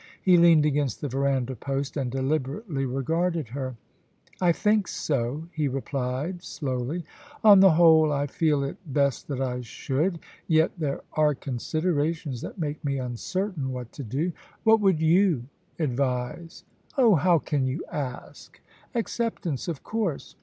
He leaned against the verandah post and deliberately regarded her. ' I think so,' he replied slowly. * On the whole, I feel it best that I should. Yet there are considerations that make me uncertain what to do. What would you advise ?Oh, how can you ask ! Acceptance of course.